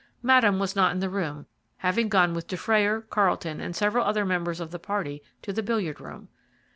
Madame was not in the room, having gone with Dufrayer, Carlton, and several other members of the party to the billiard room.